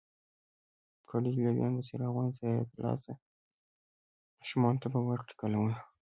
کړي لویان به څراغونه ترې ترلاسه، ماشومانو ته به ورکړي قلمونه